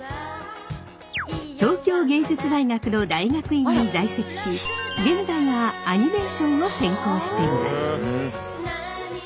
東京藝術大学の大学院に在籍し現在はアニメーションを専攻しています。